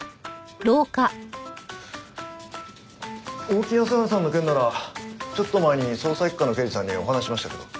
大木康晴さんの件ならちょっと前に捜査一課の刑事さんにお話ししましたけど。